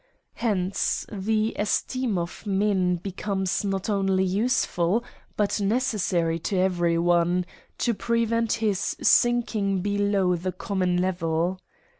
Hence the esteem of men becomes not only useful but necessary to every one, to prevent his sinking below the common le vel.